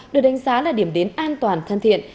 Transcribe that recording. được đánh giá là điểm đến an toàn thân thiện